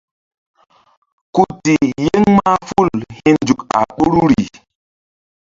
Ku ti yeŋ mahful hi̧nzuk a ɓoruri.